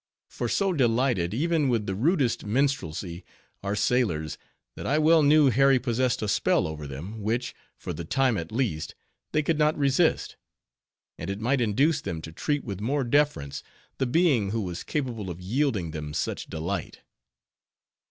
For so delighted, even with the rudest minstrelsy, are sailors, that I well knew Harry possessed a spell over them, which, for the time at least, they could not resist; and it might induce them to treat with more deference the being who was capable of yielding them such delight.